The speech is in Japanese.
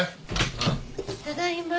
ただいま。